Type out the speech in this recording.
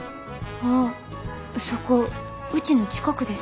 ああそこうちの近くです。